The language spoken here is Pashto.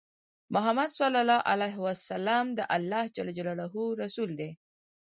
محمد صلی الله عليه وسلم د الله جل جلاله رسول دی۔